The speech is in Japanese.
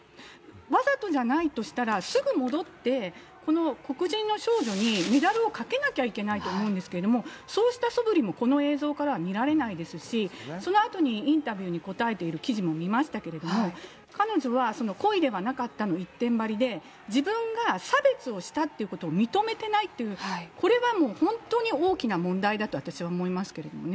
わざとじゃないとしたら、すぐ戻って、この黒人の少女にメダルをかけなきゃいけないと思うんですけど、そうしたそぶりも、この映像からは見られないですし、そのあとにインタビューに答えている記事も見ましたけれども、彼女は故意ではなかったの一点張りで、自分が差別をしたっていうことを認めてないっていう、これはもう本当に大きな問題だと私は思いますけれどもね。